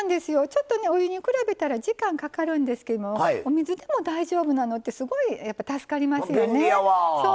ちょっと、お湯に比べたら時間かかるんですけどお水でも大丈夫なのってすごい助かりますよね。